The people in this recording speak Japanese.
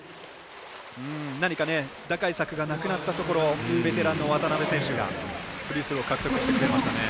何か打開策がなくなったところベテランの渡邉選手がフリースロー獲得してくれましたね。